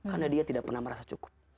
karena dia tidak pernah merasa cukup